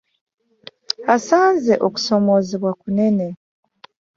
Asanze okusoomoozebwa Kunene.